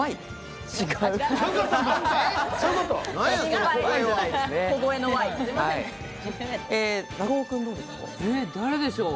違う？